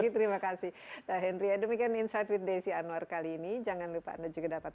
terima kasih henry demikian insight with desi anwar kali ini jangan lupa anda juga dapat